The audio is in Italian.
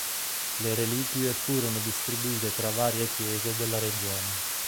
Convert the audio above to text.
Le reliquie furono distribuite tra varie chiese della regione.